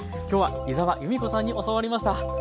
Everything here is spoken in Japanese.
今日は井澤由美子さんに教わりました。